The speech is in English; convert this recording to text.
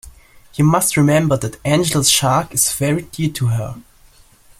You must remember that Angela's shark is very dear to her.